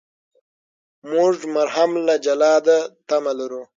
موږ مرهم له جلاده تمه لرو.